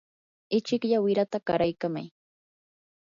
ichikllata wirata qaraykamay.